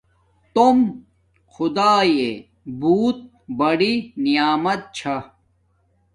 توم خداݵݵ بوت بڑی نعمیت چھا